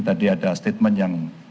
tadi ada statement yang